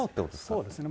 そうですね。